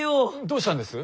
どうしたんです？